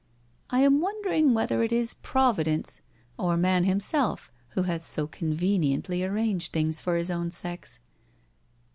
" I am wondering whether it is Providence or man himself who has so conveniently arranged things for his own sex.